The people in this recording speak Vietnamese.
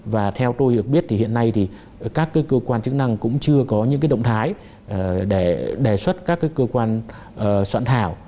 và theo tôi được biết thì hiện nay thì các cơ quan chức năng cũng chưa có những động thái để đề xuất các cơ quan soạn thảo